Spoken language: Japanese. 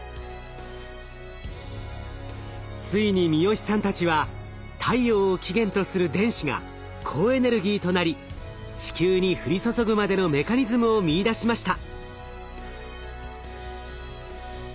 ついに三好さんたちは太陽を起源とする電子が高エネルギーとなり地球に降り注ぐまでのメカニズムを見いだしました。